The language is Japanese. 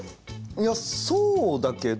いやそうだけど。